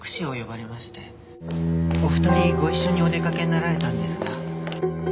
お二人ご一緒にお出かけになられたんですが。